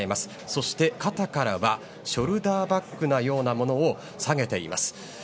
そして、肩からはショルダーバッグのようなものを提げています。